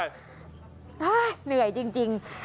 เห้ยเหนื่อยจริง